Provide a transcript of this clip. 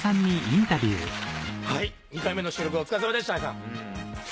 ２回目の収録お疲れさまでした兄さん。